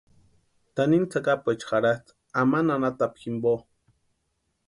Tanimu tsakapuecha jarhasti amani anhatapu jimpo.